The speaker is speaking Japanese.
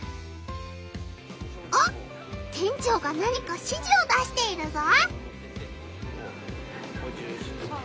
あっ店長が何かしじを出しているぞ！